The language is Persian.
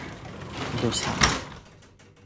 دو سر